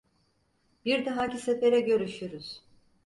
Bir dahaki sefere görüşürüz.